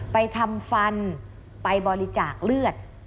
ไปทำฟันไปบริจาคเลือด